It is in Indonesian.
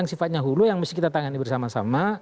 dan keempatnya hulu yang mesti kita tangani bersama sama